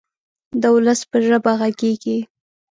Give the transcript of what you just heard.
د ولس په ژبه غږیږي.